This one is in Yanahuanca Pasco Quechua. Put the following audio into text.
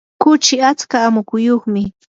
kuchi atska amukuyuqmi.